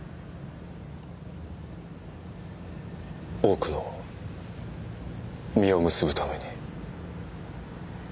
多くの実を結ぶために。